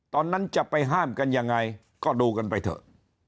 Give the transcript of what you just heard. ตอนนั้นจะไปห้ามกันยังไงก็ดูกันไปเถอะ